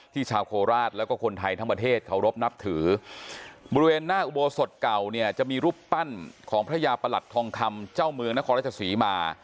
ชาวโคราชแล้วก็คนไทยทั้งประเทศเคารพนับถือบริเวณหน้าอุโบสถเก่าเนี่ยจะมีรูปปั้นของพระยาประหลัดทองคำเจ้าเมืองนครราชศรีมา